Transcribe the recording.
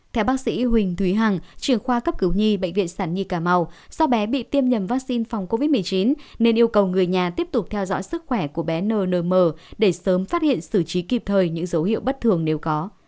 theo bác sĩ huỳnh thúy hằng trưởng khoa cấp cứu nhi bệnh viện sản nhi cà mau do bé bị tiêm nhầm vaccine phòng covid một mươi chín nên yêu cầu người nhà tiếp tục theo dõi sức khỏe của bé nnm để sớm phát hiện xử trí kịp thời những dấu hiệu bất thường nếu có